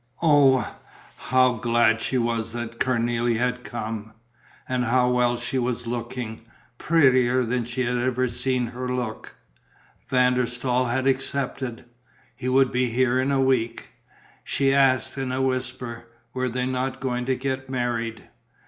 Oh, how glad she was that Cornélie had come! And how well she was looking, prettier than she had ever seen her look! Van der Staal had accepted: he would be here in a week. She asked, in a whisper, were they not going to get married?